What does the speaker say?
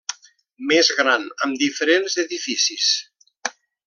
Mas gran amb diferents edificis.